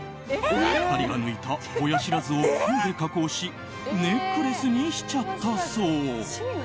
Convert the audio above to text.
２人が抜いた親知らずを金で加工しネックレスにしちゃったそう。